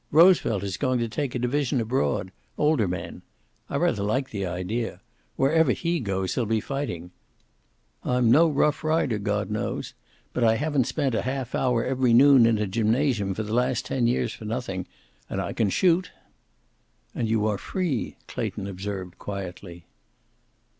Roosevelt is going to take a division abroad older men. I rather like the idea. Wherever he goes there'll be fighting. I'm no Rough Rider, God knows; but I haven't spent a half hour every noon in a gymnasium for the last ten years for nothing. And I can shoot." "And you are free," Clayton observed, quietly.